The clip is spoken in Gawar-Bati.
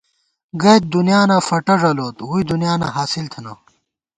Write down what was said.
گَئیت دُنیانہ فٹہ ݫَلوت، ووئی دُنیانہ حاصل تھنہ